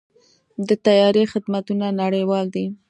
د طیارې خدمتونه نړیوال دي.